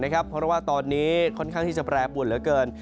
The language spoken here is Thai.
เพราะว่าตอนนี้ค่อนข้างที่จะแปรปวนเหลือเกิน